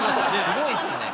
すごいですね。